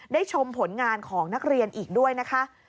ชมผลงานของนักเรียนอีกด้วยนะคะ